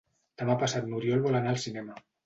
Demà passat n'Oriol vol anar al cinema.